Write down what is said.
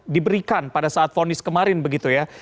diberikan pada saat vonis kemarin begitu ya